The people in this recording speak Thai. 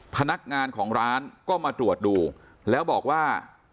พนักงานของร้านก็มาตรวจดูแล้วบอกว่า